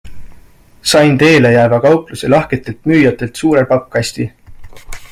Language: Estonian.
Sain teele jääva kaupluse lahketelt müüjatel suure pappkasti.